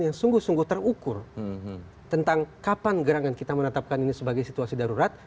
yang sungguh sungguh terukur tentang kapan gerangan kita menetapkan ini sebagai situasi darurat